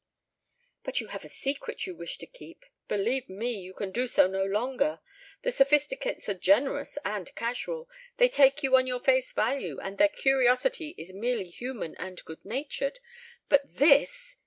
"But you have a secret you wish to keep. Believe me, you can do so no longer. The Sophisticates are generous and casual. They take you on your face value and their curiosity is merely human and good natured. But this!